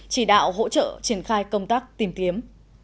chỉ đạo hỗ trợ triển khai công tác tìm kiếm